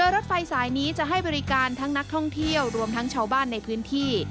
รถไฟสายนี้จะให้บริการทั้งนักท่องเที่ยวรวมทั้งชาวบ้านในพื้นที่